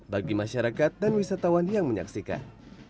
bagi masyarakat dan wisatawan yang menyaksikan